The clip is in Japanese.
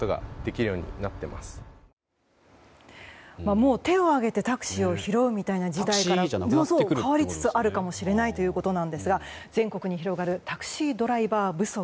もう手を挙げてタクシーを拾うみたいな時代から変わりつつあるかもしれないということですが全国に広がるタクシードライバー不足。